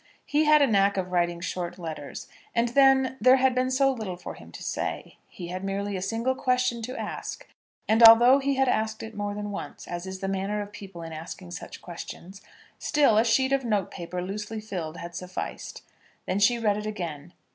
He had a knack of writing short letters; and then there had been so little for him to say. He had merely a single question to ask; and, although he had asked it more than once, as is the manner of people in asking such questions, still, a sheet of note paper loosely filled had sufficed. Then she read it again.